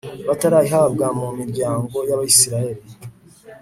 batarayihabwa mu miryango y abisirayeli